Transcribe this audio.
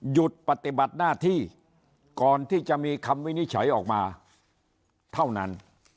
หยุดปฏิบัติหน้าที่ก่อนที่จะมีคำวินิจฉัยออกมาเท่านั้น